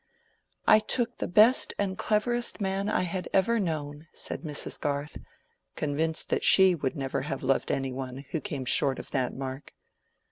"I took the best and cleverest man I had ever known," said Mrs. Garth, convinced that she would never have loved any one who came short of that mark.